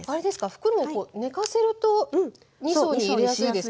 袋をこう寝かせると２層に入れやすいですか？